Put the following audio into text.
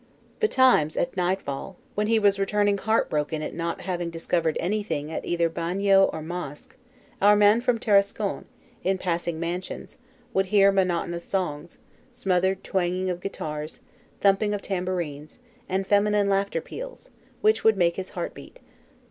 Betimes at nightfall, when he was returning heart broken at not having discovered anything at either bagnio or mosque, our man from Tarascon, in passing mansions, would hear monotonous songs, smothered twanging of guitars, thumping of tambourines, and feminine laughter peals, which would make his heart beat.